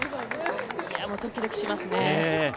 ドキドキしますね。